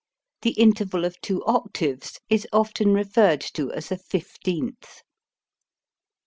The interval of two octaves is often referred to as a fifteenth.